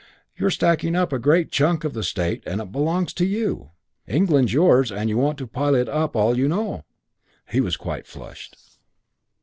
You're stacking up a great chunk of the State and it belongs to you. England's yours and you want to pile it up all you know' " He was quite flushed.